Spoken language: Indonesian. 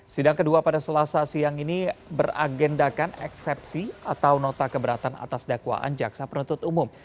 sidang kedua pada selasa siang ini beragendakan eksepsi atau nota keberatan atas dakwaan jaksa penuntut umum